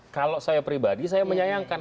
kalau saya pribadi saya menyayangkan